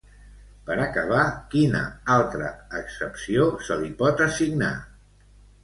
Per acabar, quina altra accepció se li pot assignar?